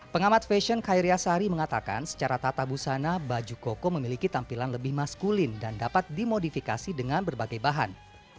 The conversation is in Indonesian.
pengamat fashion khairia sari mengatakan secara tata busana baju koko memiliki tampilan lebih maskulin dan dapat dimodifikasi dengan berbagai bahan